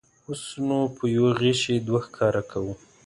اوس نو په یوه غیشي دوه ښکاره کوو.